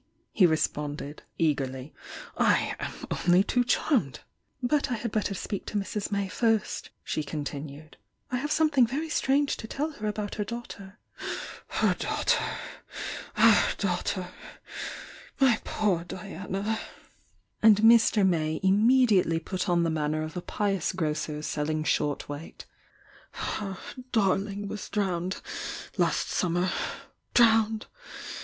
he responded, eagerly— "I am only too charmed!" "But I had better speak to Mrs. May first," she continued— "I have something very strange to tell her about her daughter " "Her daughter! Our daughter! My poor Di ana!" And Mr. May immediately put on the man THE YOUNG DIANA 887 ner of a pious grocer selling short weight— "Our darling was drowned last summer!— drowned!